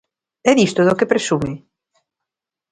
¿É disto do que presume?